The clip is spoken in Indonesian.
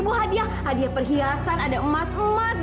bu hadiah hadiah perhiasan ada emas emas